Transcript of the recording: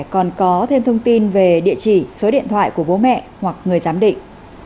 còn có thêm thông tin về địa chỉ số điện thoại của bố mẹ hoặc người giám định